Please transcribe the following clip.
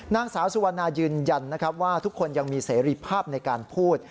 นางสาวสุวรรณายืนยันนะครับว่าทุกคนยังมีเสรีภาพในการพูด